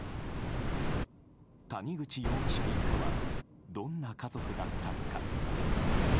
谷口容疑者一家はどんな家族だったのか。